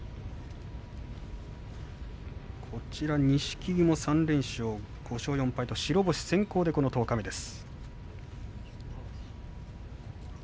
錦木も３連勝、５勝４敗と白星先行で十日目です。